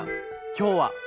きょうは。